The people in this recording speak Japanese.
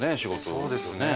そうですね。